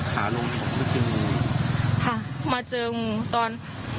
ค่ะมาเจองูตอน